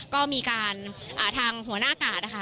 ก็มีการทางหัวหน้ากาดนะคะ